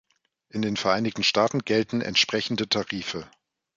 In den Vereinigten Staaten gelten entsprechende Tarife.